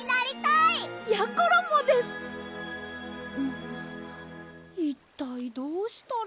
んいったいどうしたら。